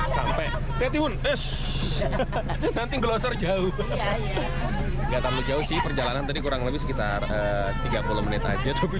sampai nanti gelasor jauh jauh sih perjalanan tadi kurang lebih sekitar tiga puluh menit aja tapi